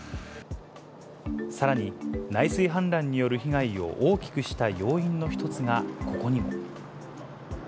さらに内水氾濫による被害を大きくした要因の一つがここにも。